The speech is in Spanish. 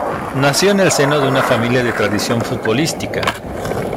Nació en el seno de una familia de tradición futbolística.